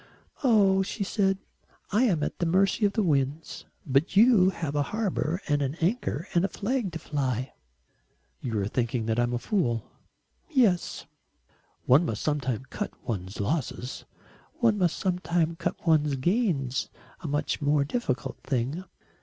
"Oh," she said, "I am at the mercy of the winds. But you have a harbour and an anchor and a flag to fly." "You are thinking that I'm a fool." "Yes." "One must sometimes cut one's losses." "One must sometimes cut one's gains a much more difficult thing."